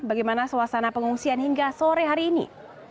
bagaimana suasana pengungsian hingga sore hari ini